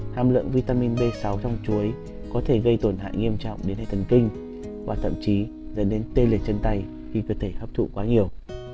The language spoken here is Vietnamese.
hàm lượng vitamin b sáu trong chuối có thể gây tổn hại nghiêm trọng đến hệ thần kinh và thậm chí dẫn đến tê liệt chân tay khi cơ thể hấp thụ quá nhiều